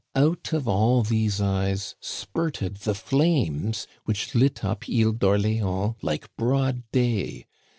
Out of all these eyes spurted the flames which lit up Isle d'Orléans like broad day.